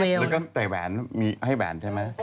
มีเวลแล้วก็ใส่แบนให้แบนใช่ไหม